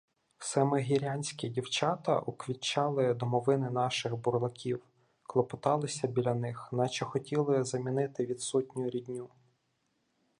Семигірянські дівчата уквітчали домовини наших бурлаків, клопоталися біля них, наче хотіли замінити відсутню рідню.